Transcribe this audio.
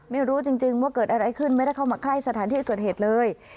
ไม่รู้จริงว่าเกิดอะไรขึ้นไม่ได้เข้ามาใกล้สถานที่เกิดเหตุเลย